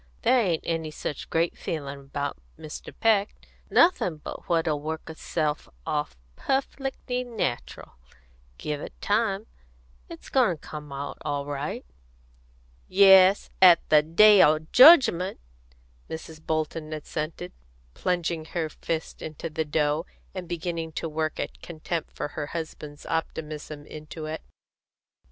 "There ain't any such great feelin' about Mr. Peck; nothin' but what'll work itself off perfec'ly natural, give it time. It's goin' to come out all right." "Yes, at the day o' jedgment," Mrs. Bolton assented, plunging her fists into the dough, and beginning to work a contempt for her husband's optimism into it.